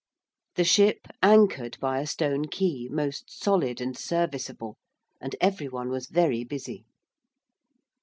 The ship anchored by a stone quay, most solid and serviceable, and every one was very busy.